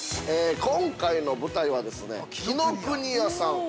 ◆今回の舞台は紀ノ国屋さん。